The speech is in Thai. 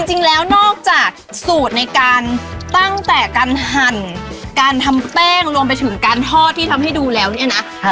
จริงแล้วนอกจากสูตรในการตั้งแต่การหั่นการทำแป้งรวมไปถึงการทอดที่ทำให้ดูแล้วเนี่ยนะ